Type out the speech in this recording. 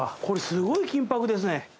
これすごい金箔ですね。